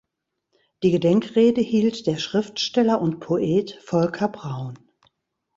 Die Gedenkrede hielt der Schriftsteller und Poet Volker Braun.